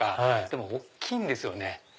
でも大きいんですよね。